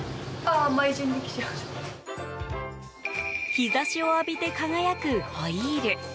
日差しを浴びて輝くホイール。